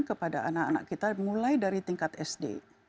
kepada anak anak kita mulai dari tingkat sd